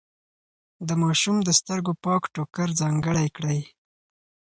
د ماشوم د سترګو پاک ټوکر ځانګړی کړئ.